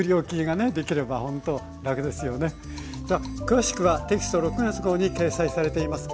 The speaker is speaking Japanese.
詳しくはテキスト６月号に掲載されています。